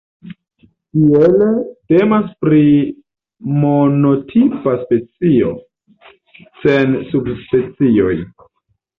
Tiele temas pri monotipa specio, sen subspecioj.